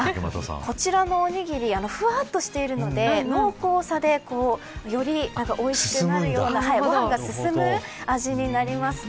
こちらのおにぎりふわっとしているのでよりおいしくなるようなご飯が進む味になりますね。